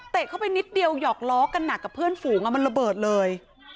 เข้าไปนิดเดียวหยอกล้อกันหนักกับเพื่อนฝูงมันระเบิดเลย